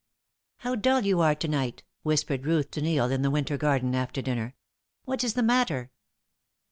"How dull you are to night," whispered Ruth to Neil in the winter garden after dinner. "What is the matter?"